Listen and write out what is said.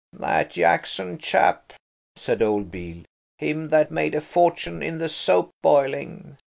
"That Jackson chap," said old Beale, "him that made a fortune in the soap boiling.